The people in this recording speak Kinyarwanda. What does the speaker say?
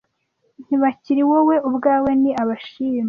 ntibakiri wowe ubwawe ni abashima